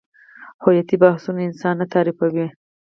هویتي بحثونه انسان نه تعریفوي.